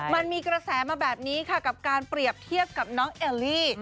มันมีกระแสมาแบบนี้ค่ะกับการเปรียบเทียบกับน้องเอลลี่